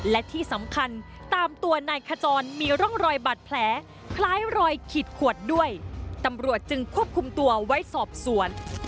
และที่สำคัญตามตัวนายขจรมีร่องรอยบาดแผลคล้ายรอยขีดขวดด้วยตำรวจจึงควบคุมตัวไว้สอบสวน